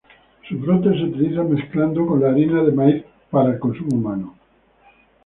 Sus brotes se utilizan mezclados con la harina de maíz, para el consumo humano.